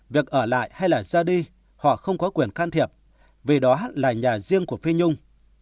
việc ở lại hay là ra đi họ không có quyền can thiệp vì đó là nhà riêng của phi nhung